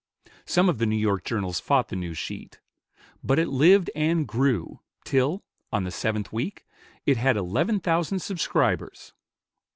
Some of the New York journals fought the new sheet; but it lived and grew till, on the seventh week, it had eleven thousand subscribers.